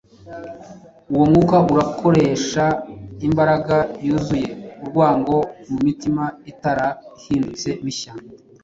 uwo mwuka uracyakoresha imbaraga yuzuye urwango mu mitima itarahindutse mishya.